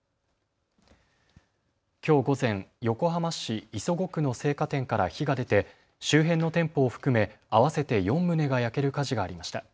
きょう午前、横浜市磯子区の青果店から火が出て周辺の店舗を含め、合わせて４棟が焼ける火事がありました。